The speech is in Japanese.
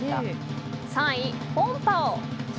３位、フォンパオ。